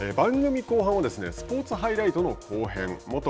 番組後半はスポーツハイライトの後編。